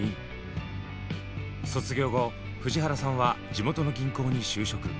卒業後藤原さんは地元の銀行に就職。